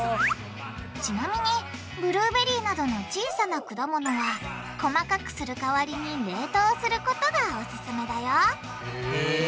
ちなみにブルーベリーなどの小さな果物は細かくするかわりに冷凍することがオススメだよへぇ。